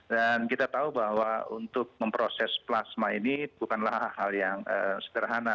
dan kita tahu bahwa untuk memproses plasma ini bukanlah hal hal yang sederhana